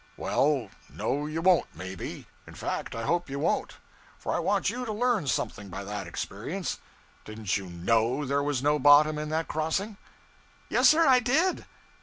'Well, no, you won't, maybe. In fact I hope you won't; for I want you to learn something by that experience. Didn't you _know _there was no bottom in that crossing?' 'Yes, sir, I did.'